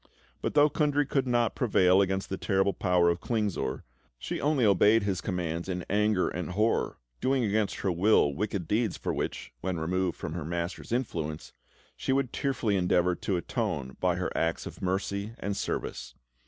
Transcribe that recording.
But though Kundry could not prevail against the terrible power of Klingsor, she only obeyed his commands in anger and horror, doing against her will wicked deeds for which, when removed from her master's influence, she would tearfully endeavour to atone by her acts of mercy and service.